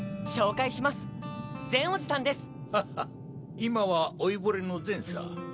今は老いぼれのゼンさ。